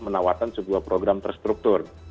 menawarkan sebuah program terstruktur